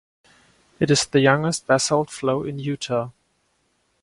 It is the youngest basalt flow in Utah.